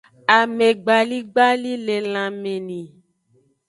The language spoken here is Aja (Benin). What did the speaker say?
Amegbaligbali le lanme ni.